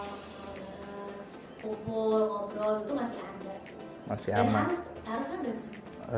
cuman kadang tuh gitu